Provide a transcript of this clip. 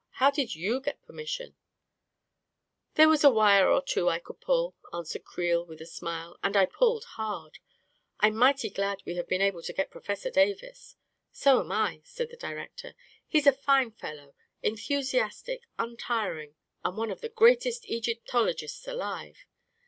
How did you get permission ?" 44 There was a wire or two I could pull," an swered Creel, with a smile, " and I pulled hard I I'm mighty glad we have been able to get Professor Davis." <c So am I," said the director. " He's a fine fel low — enthusiastic, untiring — and one of the greatest Egyptologists alive."